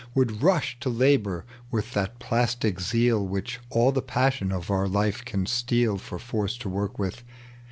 Would rush to labor with that plastic zeal Which all the passion of our life can steal For force to work with.